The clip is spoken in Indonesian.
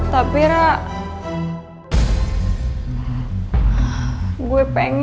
jadi tenang aja lo gak akan kesepian kok